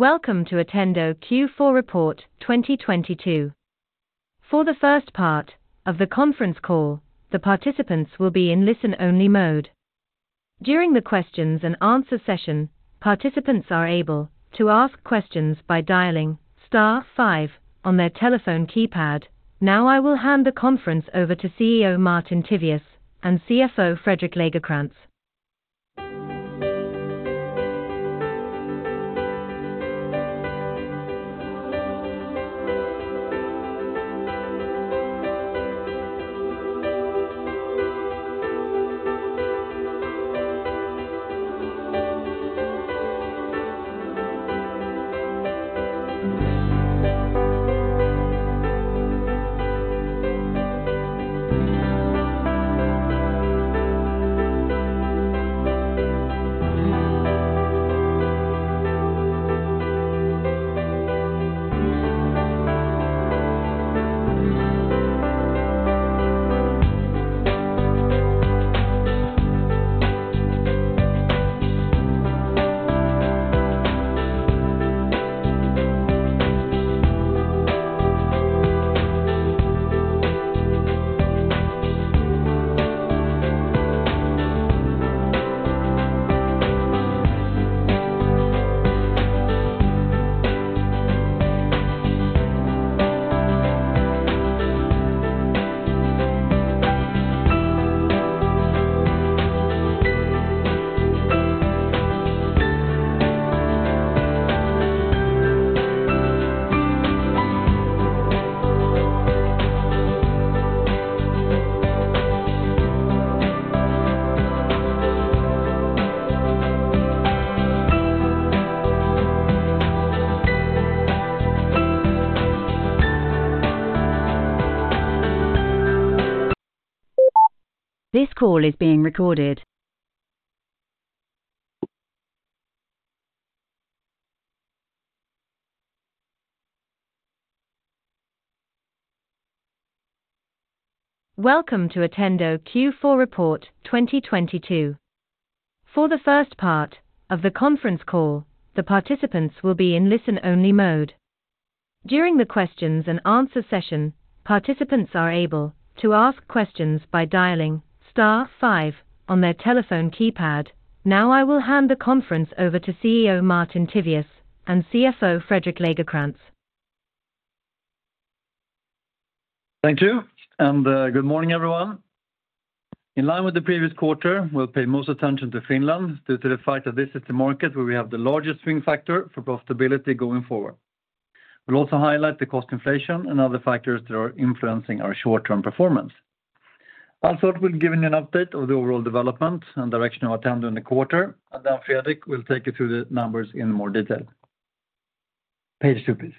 Welcome to Attendo Q4 Report 2022. For the first part of the conference call, the participants will be in listen-only mode. During the questions and answer session, participants are able to ask questions by dialing star five on their telephone keypad. Now I will hand the conference over to CEO Martin Tivéus and CFO Fredrik Lagercrantz. This call is being recorded. Thank you and good morning, everyone. In line with the previous quarter, we'll pay most attention to Finland due to the fact that this is the market where we have the largest swing factor for profitability going forward. We'll also highlight the cost inflation and other factors that are influencing our short-term performance. Also, we'll giving an update of the overall development and direction of Attendo in the quarter. Fredrik will take you through the numbers in more detail. Page two, please.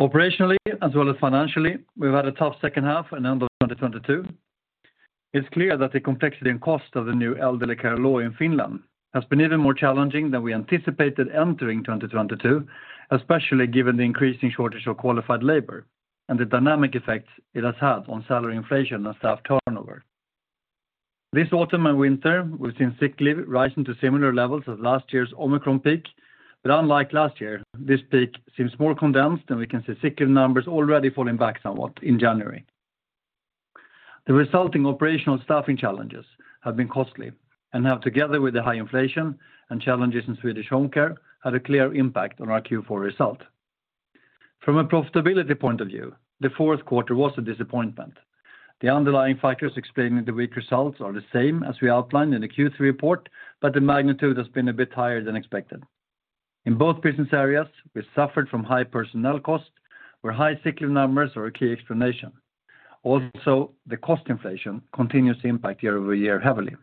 Operationally as well as financially, we've had a tough second half in handle 2022. It's clear that the complexity and cost of the new elderly care law in Finland has been even more challenging than we anticipated entering 2022, especially given the increasing shortage of qualified labor and the dynamic effects it has had on salary inflation and staff turnover. This autumn and winter, we've seen sick leave rising to similar levels as last year's Omicron peak. Unlike last year, this peak seems more condensed, and we can see sick leave numbers already falling back somewhat in January. The resulting operational staffing challenges have been costly and have, together with the high inflation and challenges in Swedish home care, had a clear impact on our Q4 result. From a profitability point of view, the fourth quarter was a disappointment. The underlying factors explaining the weak results are the same as we outlined in the Q3 report, but the magnitude has been a bit higher than expected. In both business areas, we suffered from high personnel costs, where high sick leave numbers are a key explanation. The cost inflation continues to impact year-over-year heavily.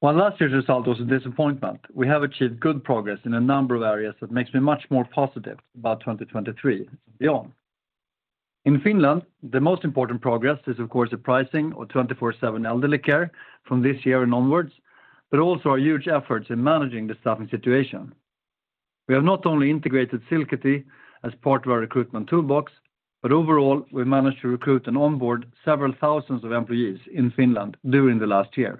While last year's result was a disappointment, we have achieved good progress in a number of areas that makes me much more positive about 2023 beyond. In Finland, the most important progress is of course the pricing of 24/7 elderly care from this year and onwards, also our huge efforts in managing the staffing situation. We have not only integrated Silkkitie as part of our recruitment toolbox, overall, we've managed to recruit and onboard several thousands of employees in Finland during the last year.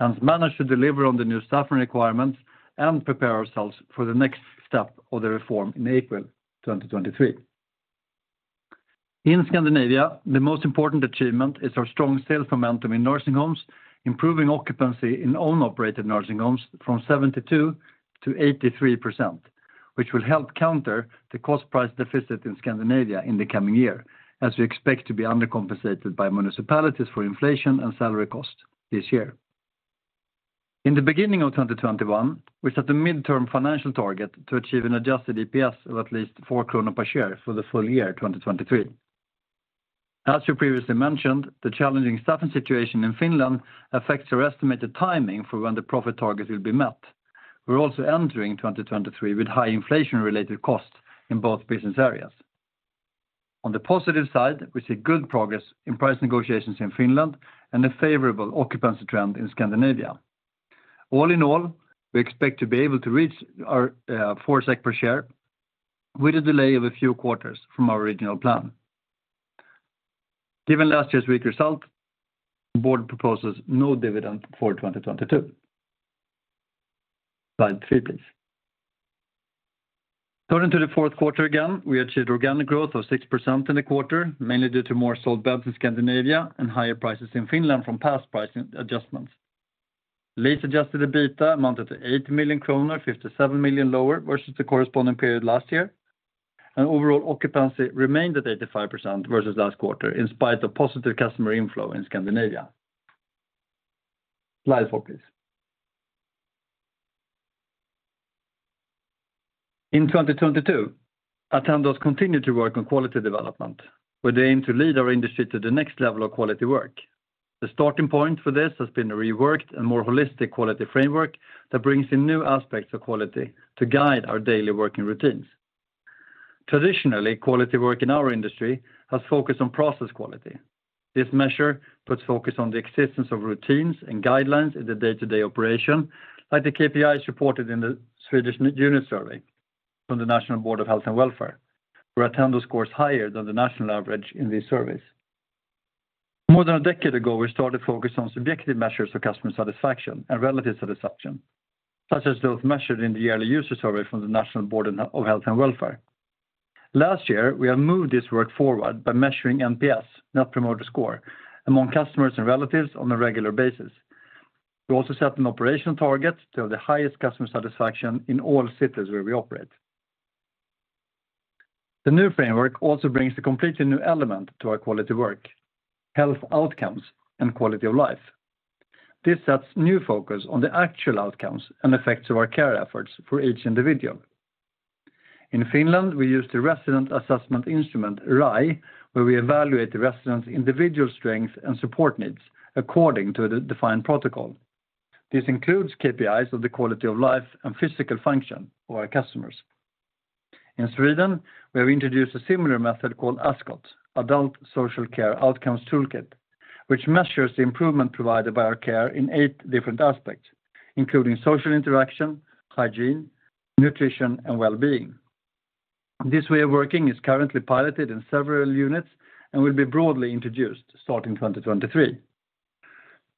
Hence managed to deliver on the new staffing requirements and prepare ourselves for the next step of the reform in April 2023. In Scandinavia, the most important achievement is our strong sales momentum in nursing homes, improving occupancy in own operated nursing homes from 72%-83%, which will help counter the cost price deficit in Scandinavia in the coming year as we expect to be undercompensated by municipalities for inflation and salary cost this year. In the beginning of 2021, we set a midterm financial target to achieve an adjusted EPS of at least 4 kronor per share for the full year 2023. As you previously mentioned, the challenging staffing situation in Finland affects our estimated timing for when the profit target will be met. We're also entering 2023 with high inflation-related costs in both business areas. On the positive side, we see good progress in price negotiations in Finland and a favorable occupancy trend in Scandinavia. All in all, we expect to be able to reach our 4 SEK per share with a delay of a few quarters from our original plan. Given last year's weak result, the board proposes no dividend for 2022. Slide three, please. Turning to the fourth quarter again, we achieved organic growth of 6% in the quarter, mainly due to more sold beds in Scandinavia and higher prices in Finland from past pricing adjustments. Lease-adjusted EBITDA amounted to 80 million kronor, 57 million lower versus the corresponding period last year. Overall occupancy remained at 85% versus last quarter in spite of positive customer inflow in Scandinavia. Slide four, please. In 2022, Attendo has continued to work on quality development with the aim to lead our industry to the next level of quality work. The starting point for this has been a reworked and more holistic quality framework that brings in new aspects of quality to guide our daily working routines. Traditionally, quality work in our industry has focused on process quality. This measure puts focus on the existence of routines and guidelines in the day-to-day operation, like the KPIs reported in the Swedish unit survey from the National Board of Health and Welfare, where Attendo scores higher than the national average in these surveys. More than a decade ago, we started focus on subjective measures of customer satisfaction and relative satisfaction, such as those measured in the yearly user survey from the National Board of Health and Welfare. Last year, we have moved this work forward by measuring NPS, Net Promoter Score, among customers and relatives on a regular basis. We also set an operational target to have the highest customer satisfaction in all cities where we operate. The new framework also brings a completely new element to our quality work: health outcomes and quality of life. This sets new focus on the actual outcomes and effects of our care efforts for each individual. In Finland, we use the Resident Assessment Instrument, RAI, where we evaluate the resident's individual strengths and support needs according to the defined protocol. This includes KPIs of the quality of life and physical function of our customers. In Sweden, we have introduced a similar method called ASCOT, Adult Social Care Outcomes Toolkit, which measures the improvement provided by our care in eight different aspects, including social interaction, hygiene, nutrition, and wellbeing. This way of working is currently piloted in several units and will be broadly introduced starting 2023.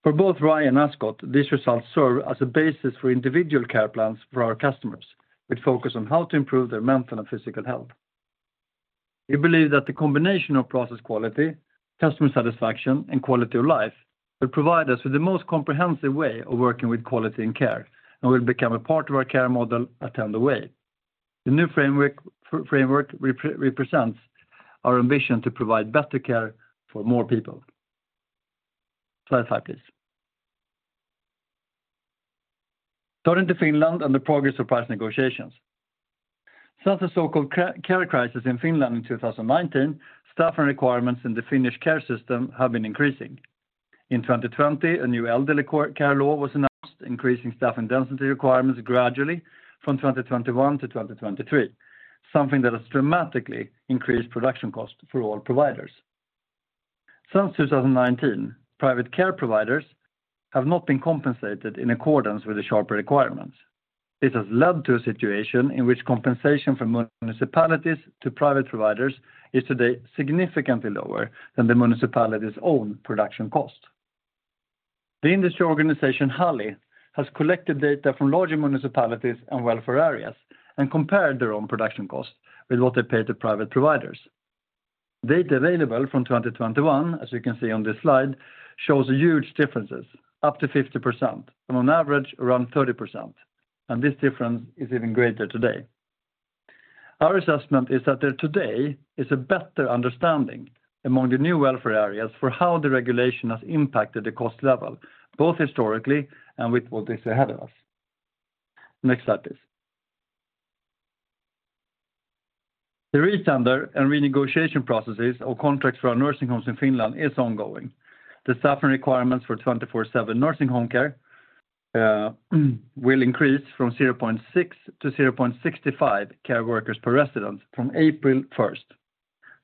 For both RAI and ASCOT, these results serve as a basis for individual care plans for our customers, which focus on how to improve their mental and physical health. We believe that the combination of process quality, customer satisfaction, and quality of life will provide us with the most comprehensive way of working with quality and care, and will become a part of our care model Attendo Way. The new framework represents our ambition to provide better care for more people. Slide five, please. Turning to Finland and the progress of price negotiations. Since the so-called care crisis in Finland in 2019, staffing requirements in the Finnish care system have been increasing. In 2020, a new elderly care law was announced, increasing staffing density requirements gradually from 2021 to 2023, something that has dramatically increased production costs for all providers. Since 2019, private care providers have not been compensated in accordance with the sharper requirements. This has led to a situation in which compensation from municipalities to private providers is today significantly lower than the municipality's own production cost. The industry organization HALI has collected data from larger municipalities and welfare areas and compared their own production costs with what they pay to private providers. Data available from 2021, as you can see on this slide, shows huge differences, up to 50%, and on average, around 30%, and this difference is even greater today. Our assessment is that there today is a better understanding among the new welfare areas for how the regulation has impacted the cost level, both historically and with what is ahead of us. Next slide, please. The retender and renegotiation processes of contracts for our nursing homes in Finland is ongoing. The staffing requirements for 24/7 nursing home care will increase from 0.6 to 0.65 care workers per resident from April 1st.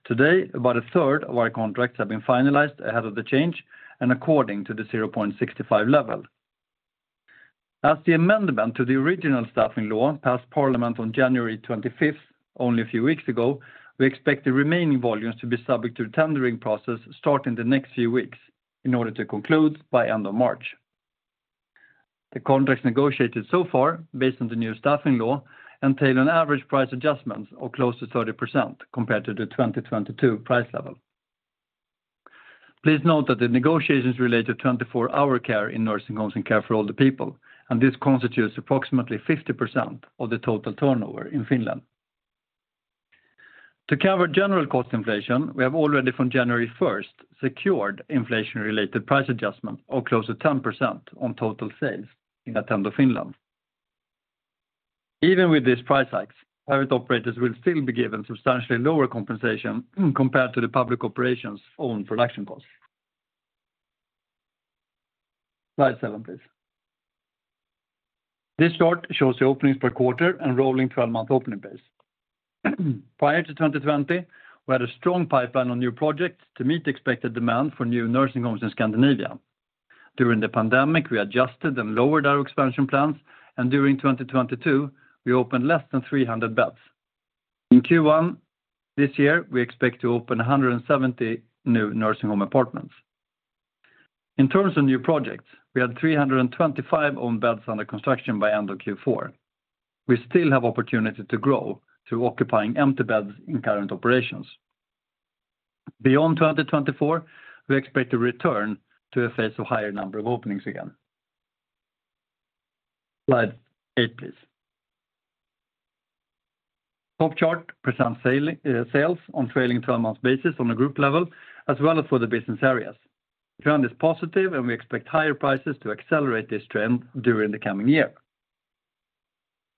Today, about a third of our contracts have been finalized ahead of the change and according to the 0.65 level. As the amendment to the original staffing law passed parliament on January 25th, only a few weeks ago, we expect the remaining volumes to be subject to tendering process starting the next few weeks in order to conclude by end of March. The contracts negotiated so far based on the new staffing law entail an average price adjustments of close to 30% compared to the 2022 price level. Please note that the negotiations relate to 24-hour care in nursing homes and care for older people, and this constitutes approximately 50% of the total turnover in Finland. To cover general cost inflation, we have already from January 1st secured inflation-related price adjustment of close to 10% on total sales in Attendo Finland. Even with these price hikes, private operators will still be given substantially lower compensation compared to the public operations' own production costs. Slide seven, please. This chart shows the openings per quarter and rolling 12-month opening base. Prior to 2020, we had a strong pipeline on new projects to meet expected demand for new nursing homes in Scandinavia. During the pandemic, we adjusted and lowered our expansion plans, and during 2022, we opened less than 300 beds. In Q1 this year, we expect to open 170 new nursing home apartments. In terms of new projects, we had 325 owned beds under construction by end of Q4. We still have opportunity to grow through occupying empty beds in current operations. Beyond 2024, we expect to return to a phase of higher number of openings again. Slide eight, please. Top chart presents sales on trailing 12 months basis on a group level as well as for the business areas. Trend is positive. We expect higher prices to accelerate this trend during the coming year.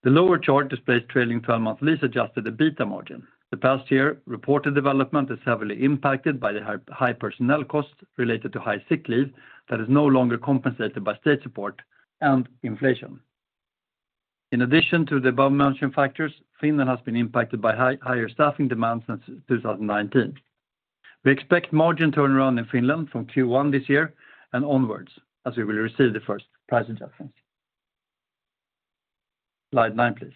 The lower chart displays trailing 12-month lease adjusted EBITDA margin. The past year reported development is heavily impacted by the high personnel costs related to high sick leave that is no longer compensated by state support and inflation. In addition to the above-mentioned factors, Finland has been impacted by higher staffing demands since 2019. We expect margin turnaround in Finland from Q1 this year and onwards as we will receive the first price adjustments. Slide nine, please.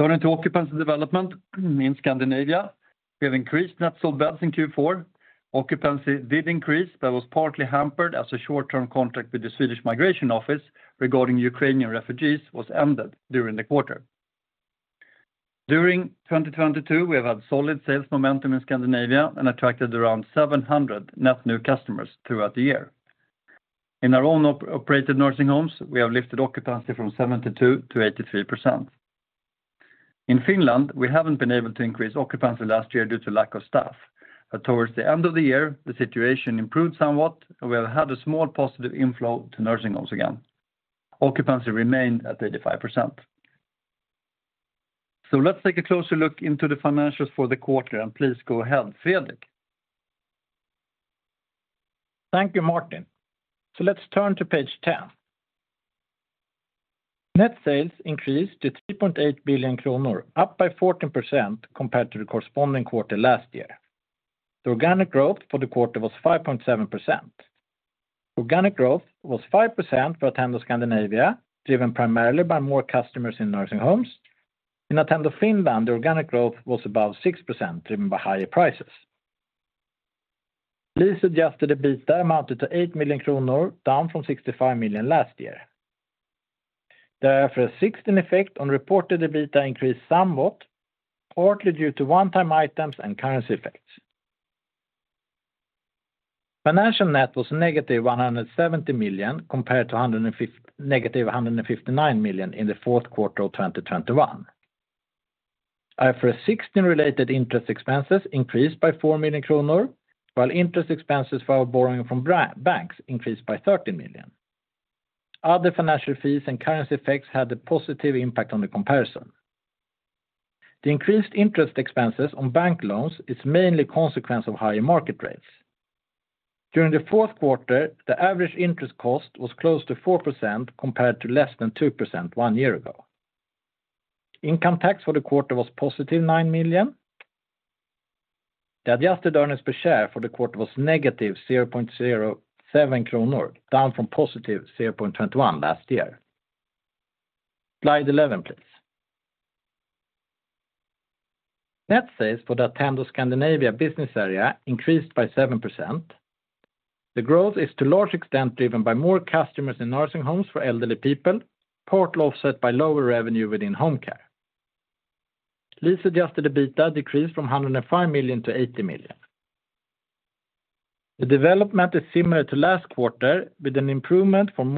Turning to occupancy development in Scandinavia, we have increased net sold beds in Q4. Occupancy did increase, but was partly hampered as a short-term contract with the Swedish Migration Agency regarding Ukrainian refugees was ended during the quarter. During 2022, we have had solid sales momentum in Scandinavia and attracted around 700 net new customers throughout the year. In our own op-operated nursing homes, we have lifted occupancy from 72%-83%. In Finland, we haven't been able to increase occupancy last year due to lack of staff. Towards the end of the year, the situation improved somewhat, and we have had a small positive inflow to nursing homes again. Occupancy remained at 85%. Let's take a closer look into the financials for the quarter. Please go ahead, Fredrik. Thank you, Martin. Let's turn to page 10. Net sales increased to 3.8 billion kronor, up by 14% compared to the corresponding quarter last year. The organic growth for the quarter was 5.7%. Organic growth was 5% for Attendo Scandinavia, driven primarily by more customers in nursing homes. In Attendo Finland, organic growth was above 6%, driven by higher prices. Lease-adjusted EBITDA amounted to 8 million kronor, down from 65 million last year. The IFRS 16 effect on reported EBITDA increased somewhat, partly due to one-time items and currency effects. Financial net was -170 million compared to -159 million in Q4 2021. IFRS 16-related interest expenses increased by 4 million kronor, while interest expenses for our borrowing from banks increased by 30 million. Other financial fees and currency effects had a positive impact on the comparison. The increased interest expenses on bank loans is mainly consequence of higher market rates. During the fourth quarter, the average interest cost was close to 4% compared to less than 2% one year ago. Income tax for the quarter was positive 9 million. The adjusted earnings per share for the quarter was -0.07 kronor, down from positive 0.21 last year. Slide 11, please. Net sales for the Attendo Scandinavia business area increased by 7%. The growth is to large extent driven by more customers in nursing homes for elderly people, partly offset by lower revenue within home care. Lease-adjusted EBITDA decreased from 105 million-80 million. The development is similar to last quarter, with an improvement from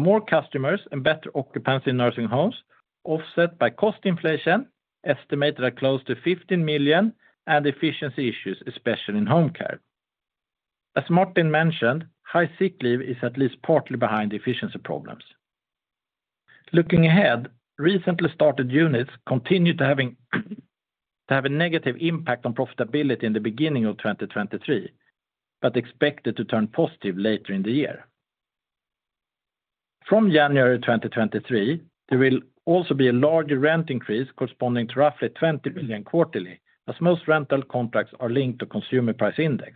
more customers and better occupancy in nursing homes, offset by cost inflation estimated at close to 15 million and efficiency issues, especially in home care. As Martin mentioned, high sick leave is at least partly behind the efficiency problems. Looking ahead, recently started units continue to having to have a negative impact on profitability in the beginning of 2023, but expected to turn positive later in the year. From January 2023, there will also be a larger rent increase corresponding to roughly 20 million quarterly, as most rental contracts are linked to Consumer Price Index.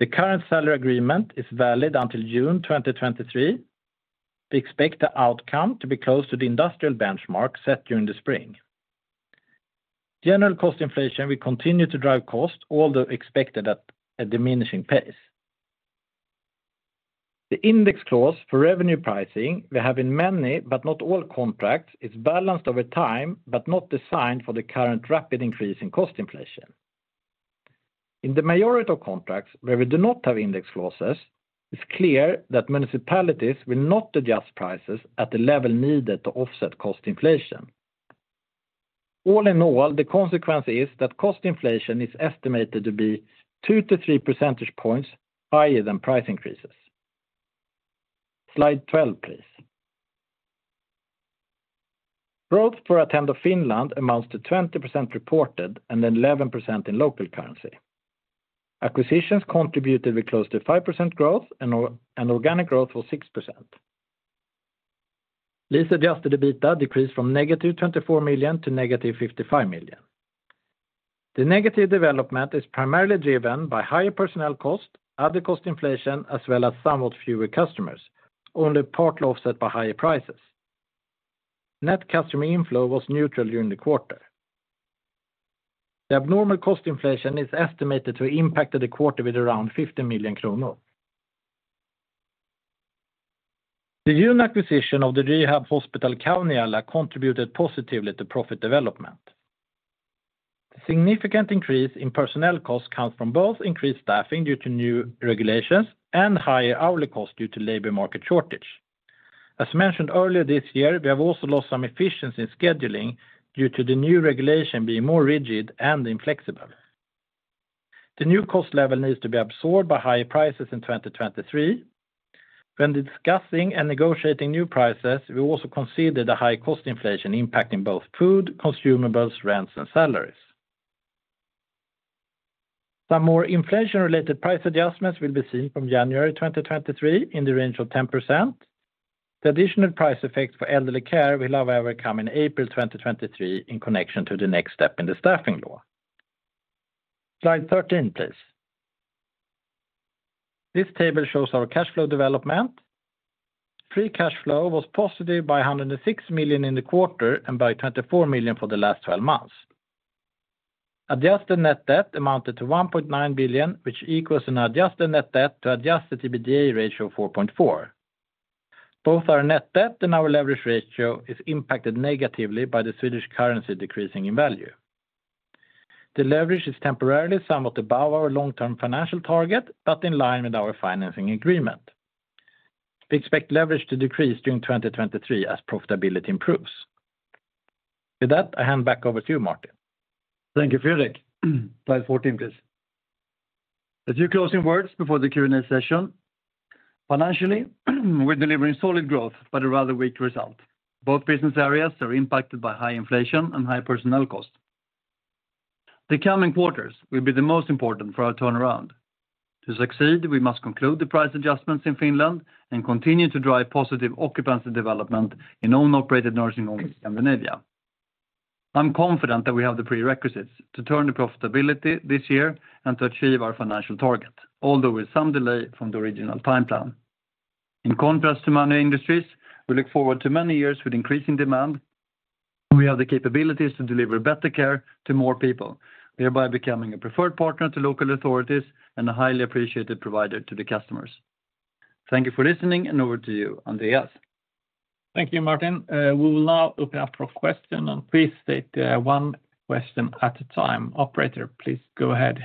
The current salary agreement is valid until June 2023. We expect the outcome to be close to the industrial benchmark set during the spring. General cost inflation will continue to drive costs, although expected at a diminishing pace. The index clause for revenue pricing we have in many but not all contracts is balanced over time, not designed for the current rapid increase in cost inflation. In the majority of contracts where we do not have index clauses, it's clear that municipalities will not adjust prices at the level needed to offset cost inflation. All in all, the consequence is that cost inflation is estimated to be 2-3 percentage points higher than price increases. Slide 12, please. Growth for Attendo Finland amounts to 20% reported and 11% in local currency. Acquisitions contributed with close to 5% growth and organic growth was 6%. Leased adjusted EBITDA decreased from -24 million to -55 million. The negative development is primarily driven by higher personnel costs, other cost inflation, as well as somewhat fewer customers, only partly offset by higher prices. Net customer inflow was neutral during the quarter. The abnormal cost inflation is estimated to impact the quarter with around 50 million kronor. The June acquisition of the rehab hospital Kauniala contributed positively to profit development. Significant increase in personnel costs comes from both increased staffing due to new regulations and higher hourly costs due to labor market shortage. As mentioned earlier this year, we have also lost some efficiency in scheduling due to the new regulation being more rigid and inflexible. The new cost level needs to be absorbed by higher prices in 2023. When discussing and negotiating new prices, we also consider the high cost inflation impacting both food, consumables, rents, and salaries. Some more inflation-related price adjustments will be seen from January 2023 in the range of 10%. The additional price effects for elderly care will however come in April 2023 in connection to the next step in the staffing law. Slide 13, please. This table shows our cash flow development. Free cash flow was positive by 106 million in the quarter and by 24 million for the last 12 months. Adjusted net debt amounted to 1.9 billion, which equals an adjusted net debt to adjusted EBITDA ratio of 4.4. Both our net debt and our leverage ratio is impacted negatively by the Swedish currency decreasing in value. The leverage is temporarily somewhat above our long-term financial target, but in line with our financing agreement. We expect leverage to decrease during 2023 as profitability improves. With that, I hand back over to you, Martin. Thank you, Fredrik. Slide 14, please. A few closing words before the Q&A session. Financially, we're delivering solid growth but a rather weak result. Both business areas are impacted by high inflation and high personnel costs. The coming quarters will be the most important for our turnaround. To succeed, we must conclude the price adjustments in Finland and continue to drive positive occupancy development in own-operated nursing homes in Scandinavia. I'm confident that we have the prerequisites to turn the profitability this year and to achieve our financial target, although with some delay from the original timeline. In contrast to many industries, we look forward to many years with increasing demand, and we have the capabilities to deliver better care to more people, thereby becoming a preferred partner to local authorities and a highly appreciated provider to the customers. Thank you for listening. Over to you, Andreas. Thank you, Martin. We will now open up for question. Please state one question at a time. Operator, please go ahead.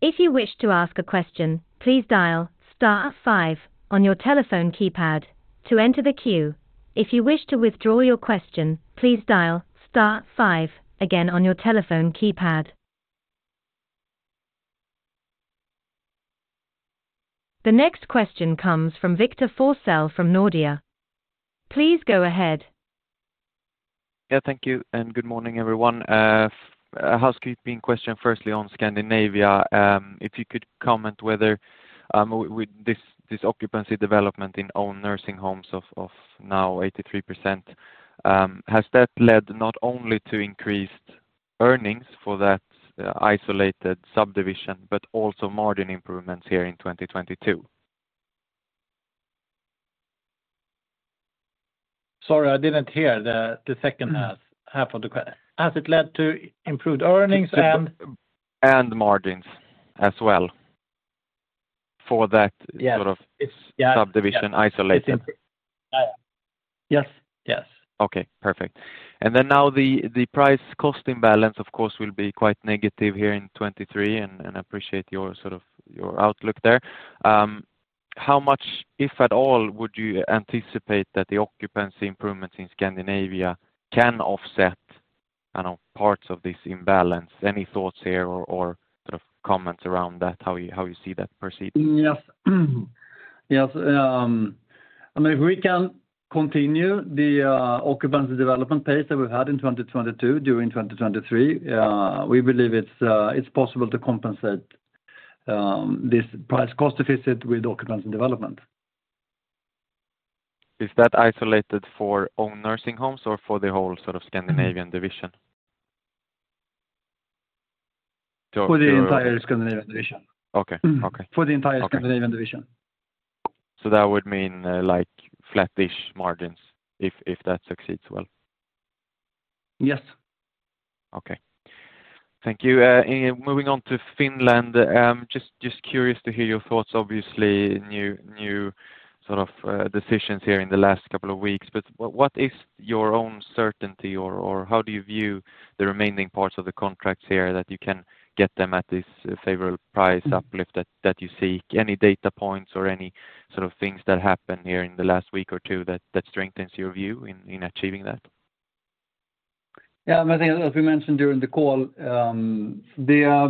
If you wish to ask a question, please dial star five on your telephone keypad to enter the queue. If you wish to withdraw your question, please dial star five again on your telephone keypad. The next question comes from Victor Forssell from Nordea. Please go ahead. Yeah, thank you and good morning, everyone. Housekeeping question firstly on Scandinavia. If you could comment whether with this occupancy development in own nursing homes of now 83%, has that led not only to increased earnings for that isolated subdivision but also margin improvements here in 2022? Sorry, I didn't hear the second half of the que-. Mm-hmm. Has it led to improved earnings? margins as well for. Yes... sort of- It's, yeah.... subdivision isolated. It's yeah. Yes, yes. Okay, perfect. Now the price costing balance of course will be quite negative here in 2023, and appreciate your sort of, your outlook there. How much, if at all, would you anticipate that the occupancy improvements in Scandinavia can offset, I know, parts of this imbalance? Any thoughts here or sort of comments around that, how you see that proceeding? Yes. Yes. I mean, if we can continue the occupancy development pace that we've had in 2022 during 2023, we believe it's possible to compensate this price cost deficit with occupancy development. Is that isolated for own nursing homes or for the whole sort of Scandinavian Division? For the entire Scandinavian division. Okay. Mm-hmm. Okay. For the entire Scandinavian division. That would mean, like, flat-ish margins if that succeeds well? Yes. Okay. Thank you. And moving on to Finland, just curious to hear your thoughts. Obviously, new sort of decisions here in the last couple of weeks. What is your own certainty or how do you view the remaining parts of the contracts here that you can get them at this favorable price uplift that you seek? Any data points or any sort of things that happened here in the last week or two that strengthens your view in achieving that? I mean, as we mentioned during the call, there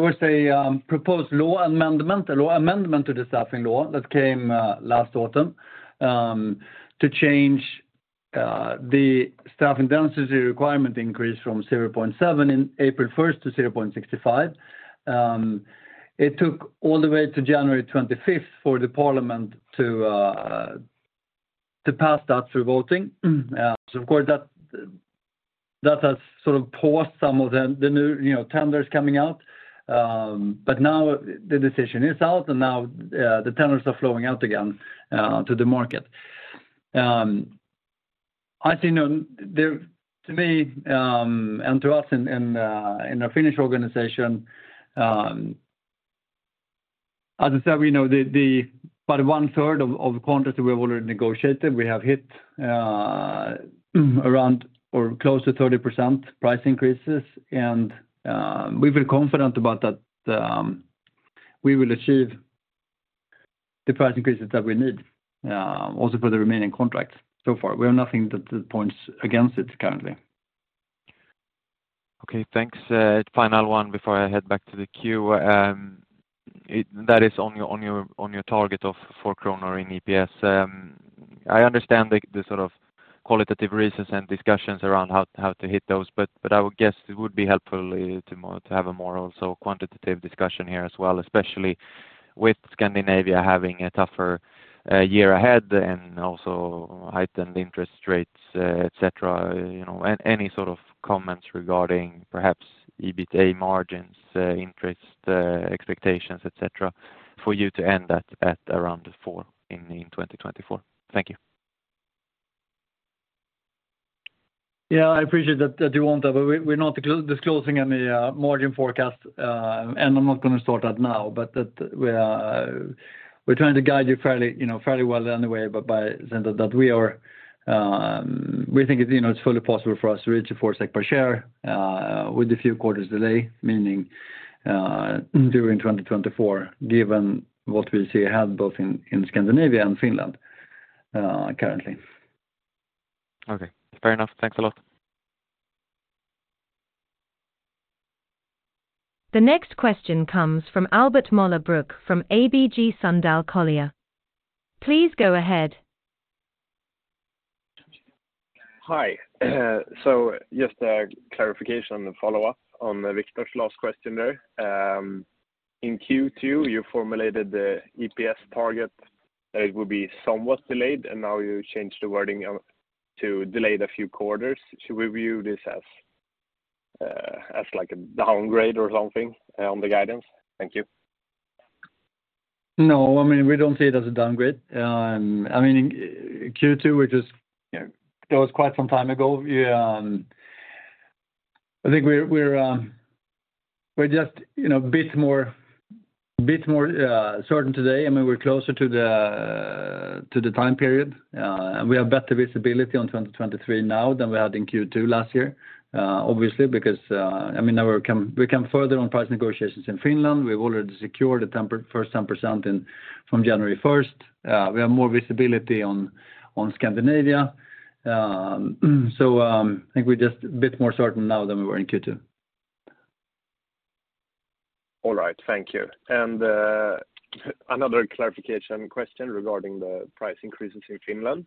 was a proposed law amendment to the staffing law that came last autumn to change the staffing density requirement increased from 0.7 in April 1st to 0.65. It took all the way to January 25th for the parliament to pass that through voting. Of course that has sort of paused some of the new, you know, tenders coming out. Now the decision is out, and now the tenders are flowing out again to the market. I think to me, and to us in our Finnish organization, as I said, we know about 1/3 of contracts we have already negotiated, we have hit around or close to 30% price increases. We feel confident about that we will achieve the price increases that we need also for the remaining contracts so far. We have nothing that points against it currently. Okay, thanks. Final one before I head back to the queue. That is on your target of 4 kronor in EPS. I understand the sort of qualitative reasons and discussions around how to hit those, but I would guess it would be helpful to have a more also quantitative discussion here as well, especially with Scandinavia having a tougher year ahead and also heightened interest rates, etc. You know, any sort of comments regarding perhaps EBITA margins, interest expectations, etc., for you to end that at around 4 in 2024? Thank you. Yeah, I appreciate that you want that. We're not disclosing any margin forecast and I'm not gonna start that now. That we are, we're trying to guide you fairly, you know, fairly well anyway by saying that we are, we think it's, you know, it's fully possible for us to reach a 4 SEK per share with a few quarters delay, meaning, during 2024, given what we see ahead both in Scandinavia and Finland, currently. Okay, fair enough. Thanks a lot. The next question comes from Albert Möller Bruk from ABG Sundal Collier. Please go ahead. Hi. Just a clarification and follow-up on Victor's last question there. In Q2, you formulated the EPS target that it would be somewhat delayed, now you changed the wording to delayed a few quarters. Should we view this as like a downgrade or something on the guidance? Thank you. No. I mean, we don't see it as a downgrade. I mean, Q2, which is, you know, that was quite some time ago. I think we're just, you know, a bit more certain today. I mean, we're closer to the time period. We have better visibility on 2023 now than we had in Q2 last year, obviously, because, I mean, now we've come further on price negotiations in Finland. We've already secured the first 10% in, from January 1st. We have more visibility on Scandinavia. So, I think we're just a bit more certain now than we were in Q2. All right. Thank you. Another clarification question regarding the price increases in Finland.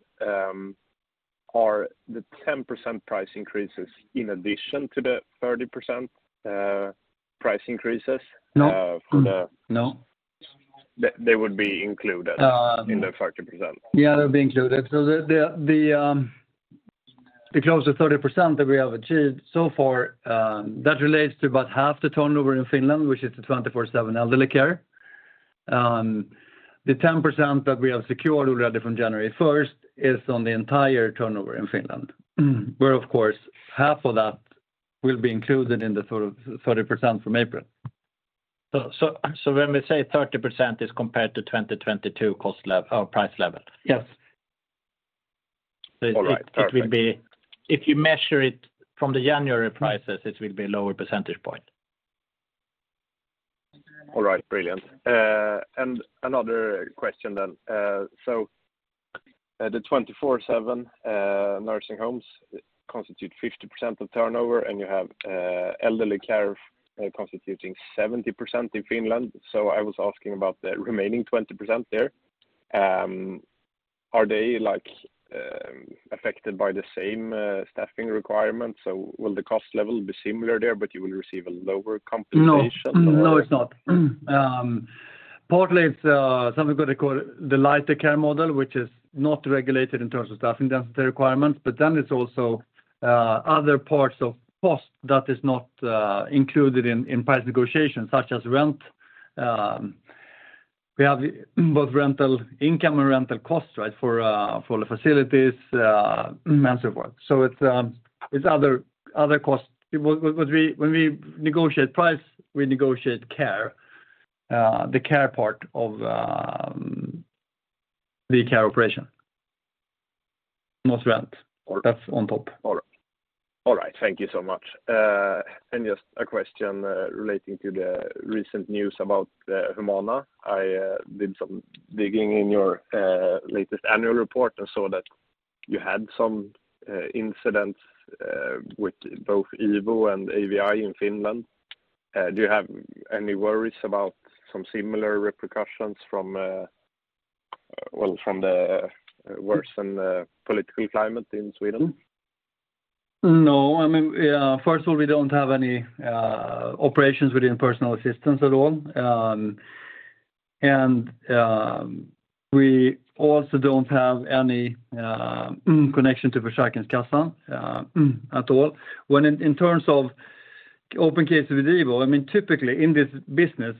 Are the 10% price increases in addition to the 30% price increases? No. -for the- No. They would be included. Uh- in the 30%? They'll be included. The close to 30% that we have achieved so far, that relates to about half the turnover in Finland, which is the 24/7 elderly care. The 10% that we have secured already from January 1st is on the entire turnover in Finland, where of course, half of that will be included in the 30% from April. When we say 30% is compared to 2022 cost or price level? Yes. All right. Perfect. If you measure it from the January prices, it will be a lower percentage point. All right, brilliant. Another question. The 24/7 nursing homes constitute 50% of turnover, and you have elderly care constituting 70% in Finland. I was asking about the remaining 20% there. Are they, like, affected by the same staffing requirements? Will the cost level be similar there, but you will receive a lower compensation? No. No, it's not. Partly it's something what they call the lighter care model, which is not regulated in terms of staffing density requirements, but then it's also other parts of cost that is not included in price negotiations, such as rent. We have both rental income and rental costs, right? For the facilities and so forth. So it's other costs. When we negotiate price, we negotiate care, the care part of the care operation, not rent. All right. That's on top. All right. All right. Thank you so much. Just a question, relating to the recent news about Humana. I did some digging in your latest annual report and saw that you had some incidents, with both IVO and AVI in Finland. Do you have any worries about some similar repercussions from, well, from the worsen political climate in Sweden? No. I mean, yeah, first of all, we don't have any operations within personal assistance at all. We also don't have any connection to Försäkringskassan at all. When in terms of open case with IVO, I mean, typically in this business,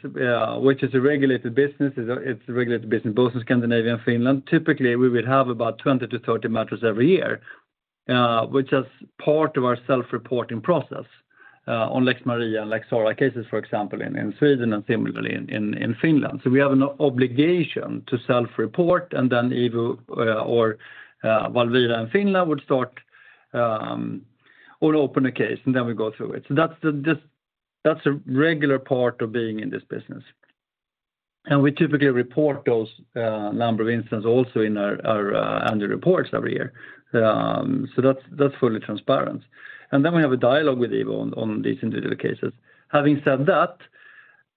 which is a regulated business, it's a regulated business both in Scandinavia and Finland. Typically, we would have about 20-30 matters every year, which is part of our self-reporting process on Lex Maria and Lex Sarah cases, for example, in Sweden and similarly in Finland. We have an obligation to self-report and then IVO or Valvira in Finland would start or open a case and then we go through it. That's a regular part of being in this business. We typically report those number of incidents also in our annual reports every year. That's fully transparent. Then we have a dialogue with IVO on these individual cases. Having said that,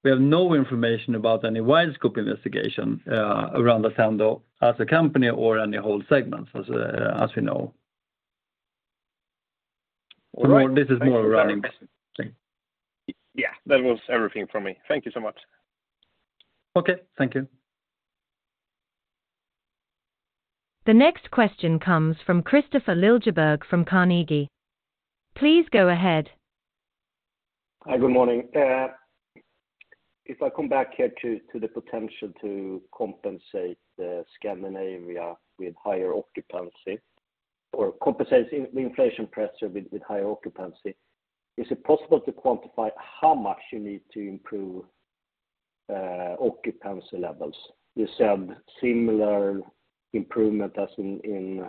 we have no information about any wide scope investigation around Attendo as a company or any whole segments as we know. All right. This is more around investing. Yeah. That was everything from me. Thank you so much. Okay. Thank you. The next question comes from Kristofer Liljeberg from Carnegie. Please go ahead. Hi, good morning. If I come back here to the potential to compensate the Scandinavia with higher occupancy or compensate the inflation pressure with higher occupancy, is it possible to quantify how much you need to improve occupancy levels? You said similar improvement as in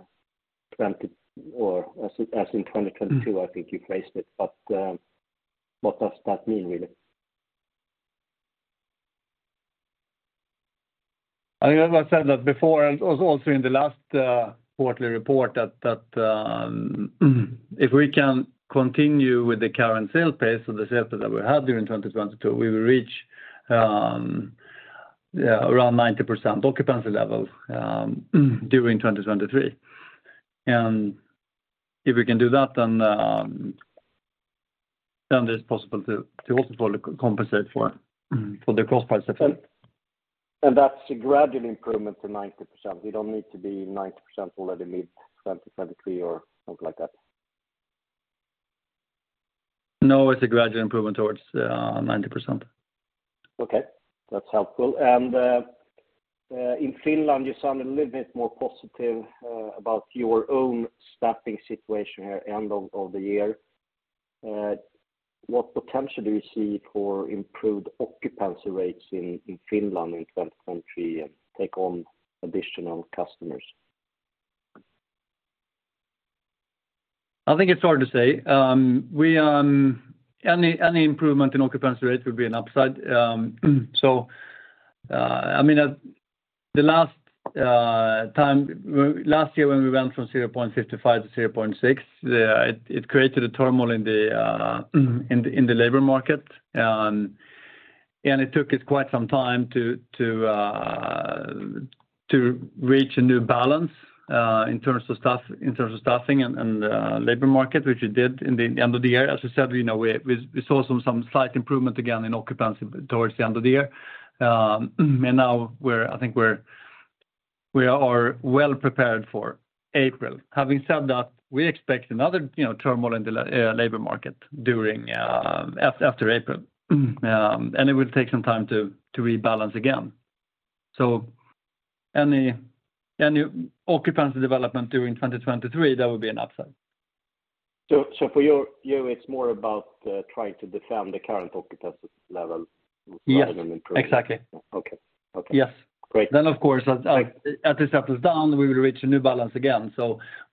2022, I think you phrased it. What does that mean really? I said that before and also in the last quarterly report that, if we can continue with the current sale pace or the sale pace that we had during 2022, we will reach around 90% occupancy levels during 2023. If we can do that, then it is possible to also compensate for the cost price effect. That's a gradual improvement to 90%. We don't need to be 90% already mid-2023 or something like that. No, it's a gradual improvement towards 90%. Okay. That's helpful. In Finland, you sound a little bit more positive about your own staffing situation here end of the year. What potential do you see for improved occupancy rates in Finland in 2023 and take on additional customers? I think it's hard to say. Any improvement in occupancy rates would be an upside. I mean, Last year when we went from 0.6.5 to 0.6, it created a turmoil in the labor market. It took us quite some time to reach a new balance in terms of staff, in terms of staffing and labor market, which we did in the end of the year. As I said, you know, we saw some slight improvement again in occupancy towards the end of the year. I think we are well-prepared for April. Having said that, we expect another, you know, turmoil in the labor market during after April. It will take some time to rebalance again. Any occupancy development during 2023, that would be an upside. For you it's more about trying to defend the current occupancy level. Yes. rather than improving. Exactly. Okay. Okay. Yes. Great. Of course, as this settles down, we will reach a new balance again.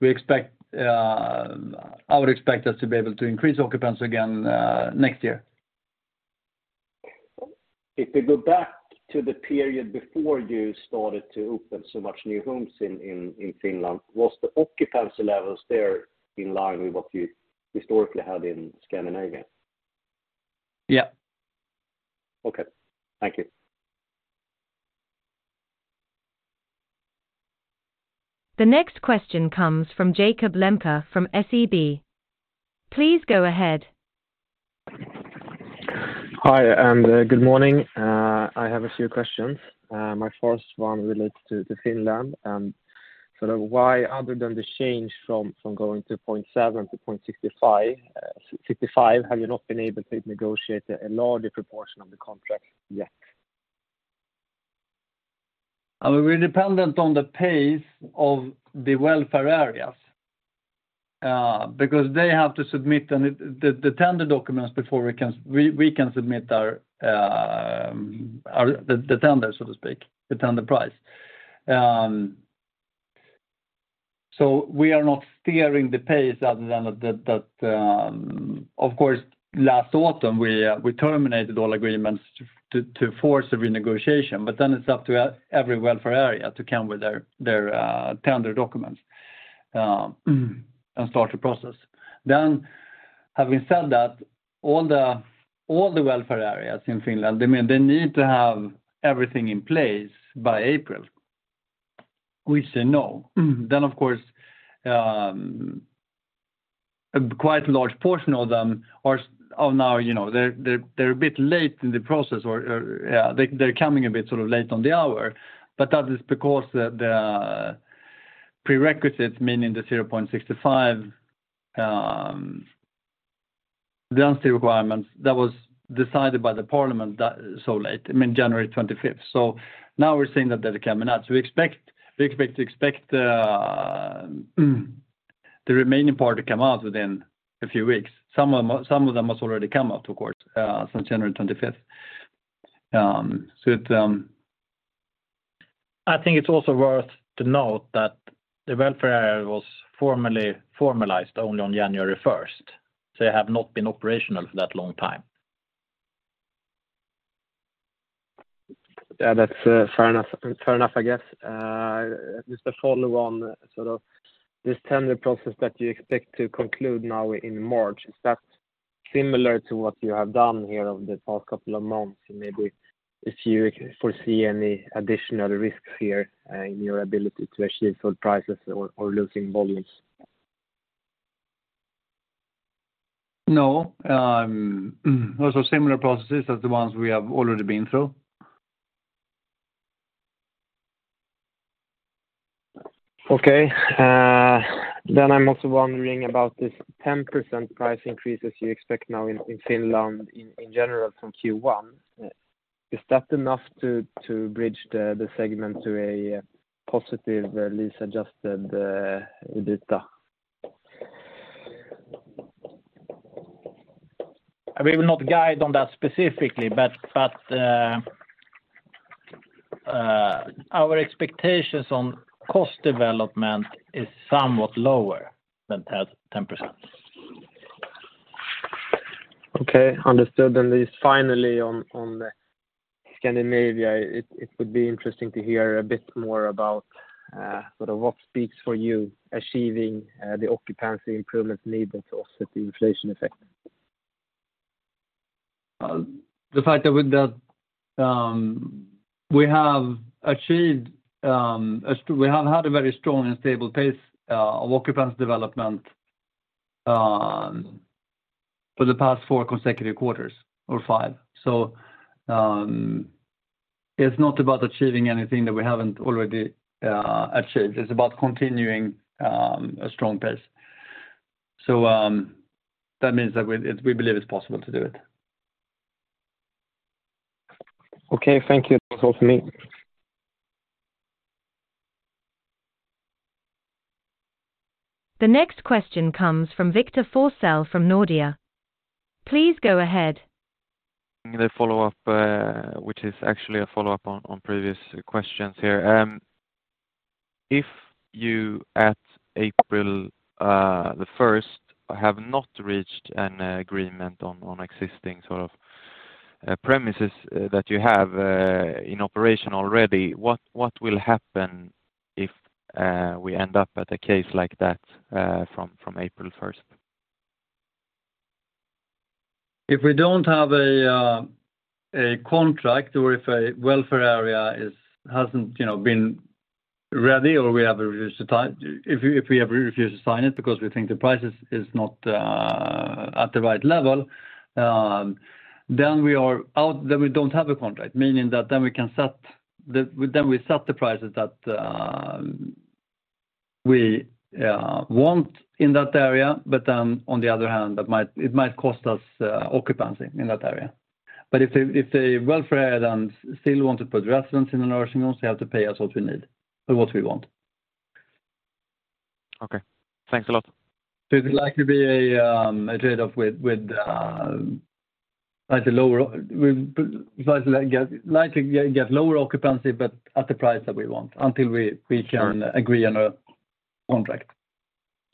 We expect. I would expect us to be able to increase occupancy again next year. If we go back to the period before you started to open so much new homes in, in Finland, was the occupancy levels there in line with what you historically had in Scandinavia? Yeah. Okay. Thank you. The next question comes from Jakob Lembke from SEB. Please go ahead. Hi, good morning. I have a few questions. My first one relates to Finland and sort of why other than the change from going to 0.7 to 0.65, have you not been able to negotiate a larger proportion of the contract yet? I mean, we're dependent on the pace of the welfare areas, because they have to submit the tender documents before we can submit our tender, so to speak, the tender price. We are not steering the pace other than that. Of course, last autumn we terminated all agreements to force a renegotiation, it's up to every welfare area to come with their tender documents and start the process. Having said that, all the welfare areas in Finland, they mean they need to have everything in place by April. We say no. Of course, quite a large portion of them are now, you know, they're, they're a bit late in the process or they're coming a bit late on the hour. That is because the prerequisites, meaning the 0.65, the uncertainty requirements that was decided by the parliament that so late, I mean January 25th. Now we're seeing that they're coming out. We expect the remaining part to come out within a few weeks. Some of them has already come out, of course, since January 25th. I think it's also worth to note that the welfare area was formally formalized only on January 1st. They have not been operational for that long time. Yeah, that's fair enough, I guess. Just a follow on, sort of this tender process that you expect to conclude now in March. Is that similar to what you have done here over the past couple of months? Maybe if you foresee any additional risks here in your ability to achieve those prices or losing volumes? No. Those are similar processes as the ones we have already been through. Okay. I'm also wondering about this 10% price increases you expect now in Finland in general from Q1. Is that enough to bridge the segment to a positive lease-adjusted EBITDA? We will not guide on that specifically, but our expectations on cost development is somewhat lower than 10%. Okay. Understood. Just finally on the Scandinavia. It would be interesting to hear a bit more about, sort of what speaks for you achieving, the occupancy improvements needed to offset the inflation effect. The fact that with that, we have had a very strong and stable pace of occupancy development for the past four consecutive quarters or five. It's not about achieving anything that we haven't already achieved. It's about continuing a strong pace. That means that we believe it's possible to do it. Okay. Thank you. That's all for me. The next question comes from Victor Forssell from Nordea. Please go ahead. The follow-up, which is actually a follow-up on previous questions here. If you at April 1st have not reached an agreement on existing sort of premises that you have in operation already, what will happen if we end up at a case like that from April 1st? If we don't have a contract or if a welfare area hasn't, you know, been ready or we have a refuse to sign. If we have refused to sign it because we think the price is not at the right level, we are out. We don't have a contract, meaning that then we set the prices that we want in that area. On the other hand, it might cost us occupancy in that area. If the welfare area then still want to put residents in the nursing homes, they have to pay us what we need or what we want. Okay. Thanks a lot. It'll likely be a trade-off with slightly lower. We likely get lower occupancy, but at the price that we want until we can agree on a contract.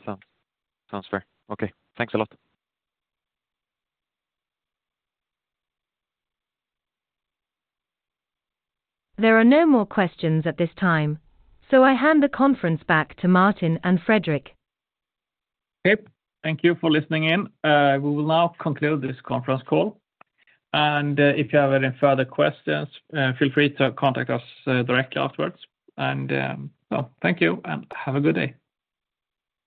Sounds fair. Okay, thanks a lot. There are no more questions at this time, so I hand the conference back to Martin and Fredrik. Okay. Thank you for listening in. We will now conclude this conference call, and if you have any further questions, feel free to contact us directly afterwards. Thank you and have a good day.